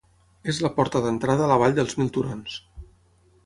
És la porta d'entrada a la Vall dels Mil Turons.